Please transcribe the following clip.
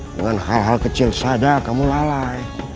dengan hal hal kecil saja kamu lalai